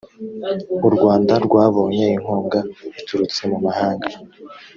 u rwanda rwabonye inkunga iturutse mu mahanga